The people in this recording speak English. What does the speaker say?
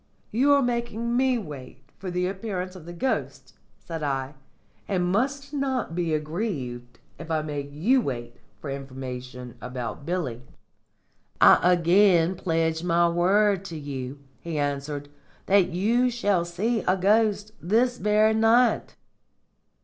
"You are making me wait for the appearance of the ghost," said I, "and must not be aggrieved if I make you wait for information about Billy." "I again pledge my word to you," he answered, "that you shall see a ghost this very night."